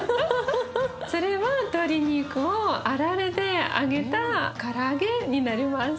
それは鶏肉をあられで揚げた唐揚げになります。